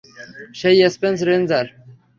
সেই space ranger?